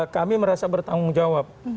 kami merasa bertanggung jawab